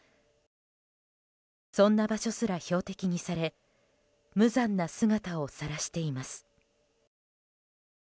そんな場所すら標的にされ無残な姿をさらしています。